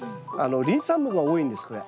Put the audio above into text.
リン酸分が多いんですこれ。